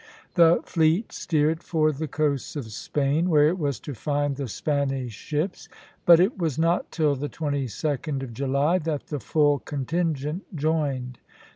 The fleet steered for the coasts of Spain, where it was to find the Spanish ships; but it was not till the 22d of July that the full contingent joined.